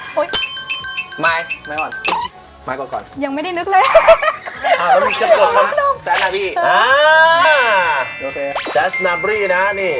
เขาไม่เล่นเป็นประตูเขาเล่นเป็นแบบนี้